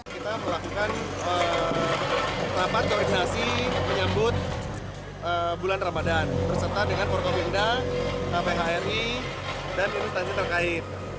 kita melakukan rapat koordinasi menyambut bulan ramadhan berserta dengan forkopimda kphri dan instansi terkait